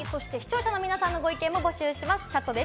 視聴者の皆さんのご意見も募集します。